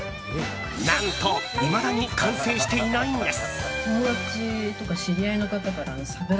何と、いまだに完成していないんです。